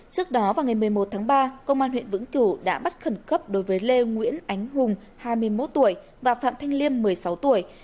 trước đó vào ngày một mươi một tháng ba công an huyện vũng tàu đã bắt khẩn cấp đối với lê nguyễn ánh hùng hai mươi một tuổi và phạm thanh liêm một mươi sáu tuổi